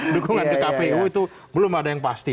dukungan ke kpu itu belum ada yang pasti